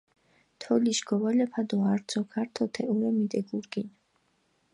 თოლიშ გოვალაფა დო არძოქ ართო თეჸურე მიდეგურგინჷ.